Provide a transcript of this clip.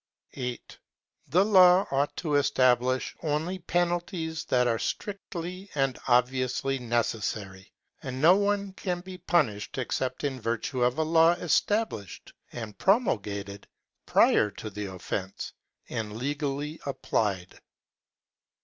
8. The law ought to establish only penalties that are strictly and obviously necessary, and no one can be punished except in virtue of a law established and promulgated prior to the offence and legally applied.